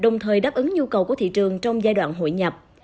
mời đáp ứng nhu cầu của thị trường trong giai đoạn hội nhập